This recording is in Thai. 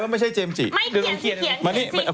ไม่ใช่เจมส์จิหรอก